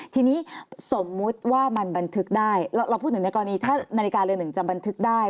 ทีนี้สมมุติว่ามันบันทึกได้เราพูดถึงในกรณีถ้านาฬิกาเรือหนึ่งจะบันทึกได้